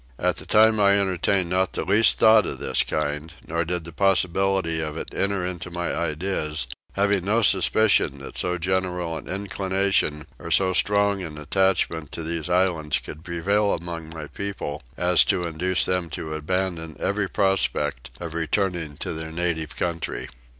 At the time I entertained not the least thought of this kind, nor did the possibility of it enter into my ideas, having no suspicion that so general an inclination or so strong an attachment to these islands could prevail among my people as to induce them to abandon every prospect of returning to their native country.